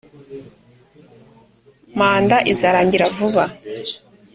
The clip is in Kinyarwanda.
manda izarangirira vuba.